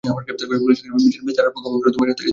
বীজের বিস্তার আর পোকামাকড় দমনে এদের গুরুত্ব অপরিসীম।